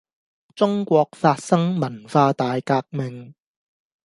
中國發生文化大革命